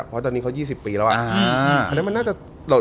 เพราะตอนนี้เขา๒๐ปีแล้ว